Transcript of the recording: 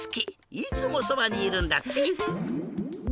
いつもそばにいるんだって。